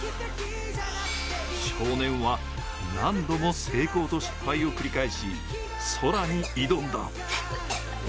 少年は何度も成功と失敗を繰り返し、空に挑んだ。